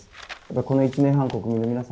この１年半、国民の皆さん